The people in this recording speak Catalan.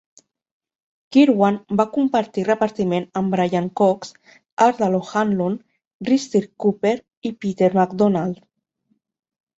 Kirwan va compartir repartiment amb Brian Cox, Ardal O'Hanlon, Risteard Cooper i Peter McDonald.